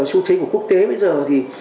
xu thế của quốc tế bây giờ thì